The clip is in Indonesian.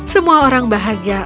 semua orang bahagia